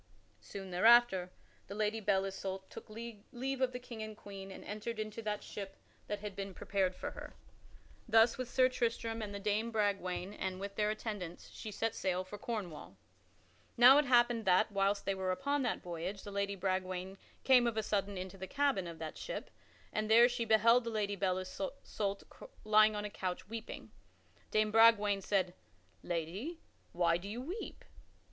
Soon thereafter the Lady Belle Isoult took leave of the King and the Queen and entered into that ship that had been prepared for her. Thus, with Sir Tristram and with Dame Bragwaine and with their attendants, she set sail for Cornwall. Now it happened that, whilst they were upon that voyage, the Lady Bragwaine came of a sudden into the cabin of that ship and there she beheld the Lady Belle Isoult lying upon a couch weeping. Dame Bragwaine said, "Lady, why do you weep?"